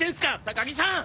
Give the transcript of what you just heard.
高木さん！